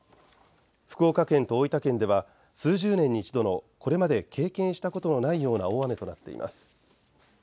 福岡県と大分県では数十年に一度のこれまで経験したことのないような大雨となっています。